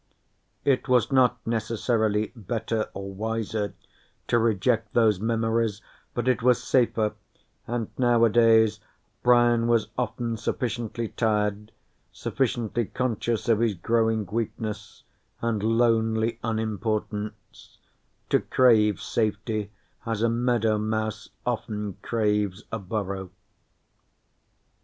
It was not necessarily better or wiser to reject those memories, but it was safer, and nowadays Brian was often sufficiently tired, sufficiently conscious of his growing weakness and lonely unimportance, to crave safety as a meadow mouse often craves a burrow.